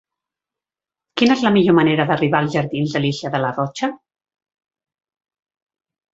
Quina és la millor manera d'arribar als jardins d'Alícia de Larrocha?